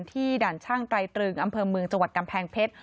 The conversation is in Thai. ด่านช่างไตรตรึงอำเภอเมืองจังหวัดกำแพงเพชร